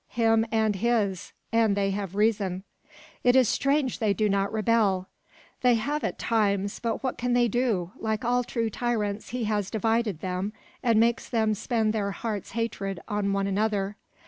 "Him and his. And they have reason." "It is strange they do not rebel." "They have at times; but what can they do? Like all true tyrants, he has divided them, and makes them spend their heart's hatred on one another."